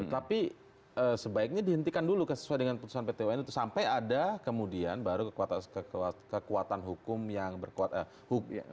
tapi sebaiknya dihentikan dulu sesuai dengan putusan pt un itu sampai ada kemudian baru kekuatan hukum yang berkuatan hukum